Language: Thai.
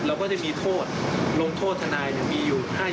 เราก็จะมีโทษลงโทษทนายมีอยู่ให้